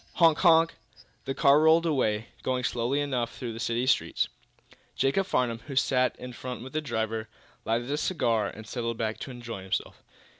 Honk! honk! The car rolled away, going slowly enough through the city streets. Jacob Farnum, who sat in front with the driver, lighted a cigar and settled back to enjoy himself.